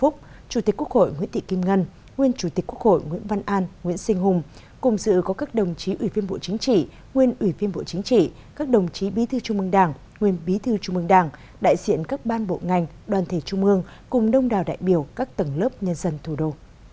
chủ tịch quốc hội nguyễn văn an nguyễn sinh hùng cùng sự có các đồng chí ủy viên bộ chính trị nguyên ủy viên bộ chính trị các đồng chí bí thư trung mương đảng nguyên bí thư trung mương đảng đại diện các ban bộ ngành đoàn thể trung mương cùng đông đào đại biểu các tầng lớp nhân dân thủ đô